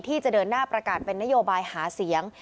ที่จะเดินหน้าประกาศเป็นนโยบายหาเสียง